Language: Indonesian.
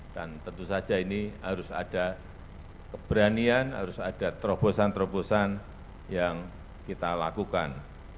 dan tentu saja ini harus ada keberanian harus ada terobosan terobosan yang kita lakukan